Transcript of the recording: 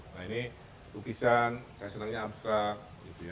nah ini lukisan saya senangnya abstrak